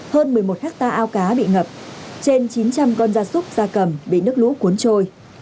hơn một mươi một hecta ao cá bị ngập trên chín trăm linh con da súc da cầm bị nước lũ cuốn trôi